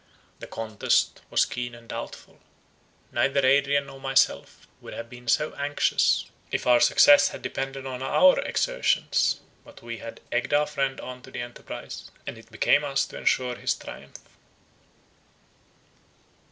The contest was keen and doubtful. Neither Adrian nor myself would have been so anxious, if our own success had depended on our exertions; but we had egged our friend on to the enterprise, and it became us to ensure his triumph.